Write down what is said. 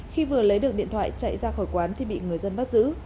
khi vừa lấy được điện thoại chạy ra khỏi quán thì bị người dân bắt giữ